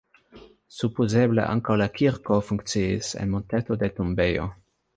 Supozeble ankaŭ la kirko funkciis en monteto de tombejo.